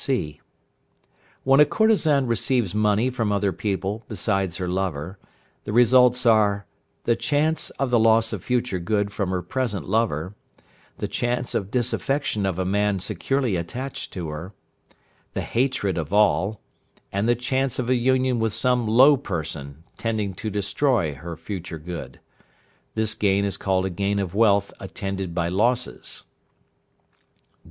(c). When a courtesan receives money from other people besides her lover, the results are: the chance of the loss of future good from her present lover; the chance of disaffection of a man securely attached to her; the hatred of all; and the chance of a union with some low person, tending to destroy her future good. This gain is called a gain of wealth attended by losses.